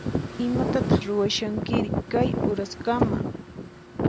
Imatataq ruwashankiri kay uraskama?